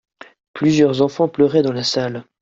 Plusieurs enfants pleuraient dans la salle.